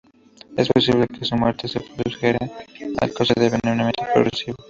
Es posible que su muerte se produjese a causa de envenenamiento progresivo.